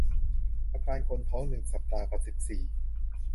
อาการคนท้อง หนึ่ง สัปดาห์ กับ สิบสี่